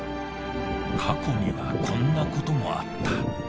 過去にはこんなこともあった。